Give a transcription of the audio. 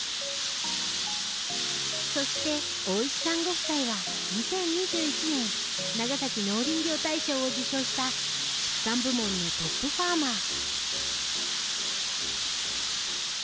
そして大石さんご夫妻は２０２１年ながさき農林業大賞を受賞した畜産部門のトップファーマー。